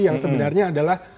yang sebenarnya adalah